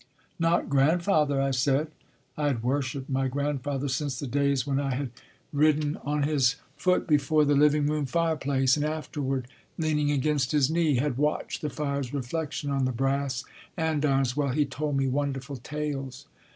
"Not Grandfather," I said. I had worshipped my grandfather since the days when I had ridden Happy Valley on his foot before the living room fireplace, and afterward, leaning against his knee, had watched the fire s reflection on the brass andirons while he told me wonderful tales.